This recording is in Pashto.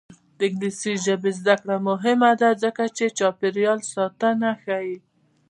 د انګلیسي ژبې زده کړه مهمه ده ځکه چې چاپیریال ساتنه ښيي.